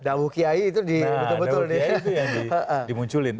nah dauh kiai itu yang dimunculin